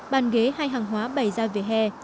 bàn ghế hay hàng hóa bày ra về hè